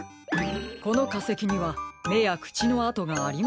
このかせきにはめやくちのあとがありませんね。